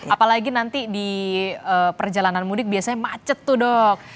apalagi nanti di perjalanan mudik biasanya macet tuh dok